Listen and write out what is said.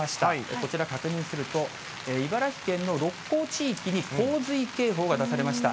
こちら確認すると、茨城県の鹿行地域に、洪水警報が出されました。